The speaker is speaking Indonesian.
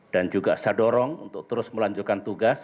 dan juga saya dorong untuk terus melanjutkan tugas